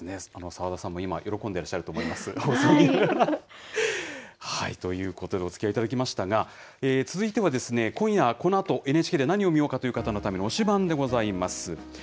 浅田さん、見ながら。ということで、おつきあいいただきましたが、続いては、今夜、このあとＮＨＫで何を見ようかという方のために、推しバン！でございます。